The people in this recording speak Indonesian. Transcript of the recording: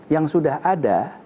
yang sudah ada